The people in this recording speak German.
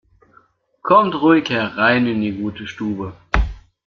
Kommt ruhig herein in die gute Stube!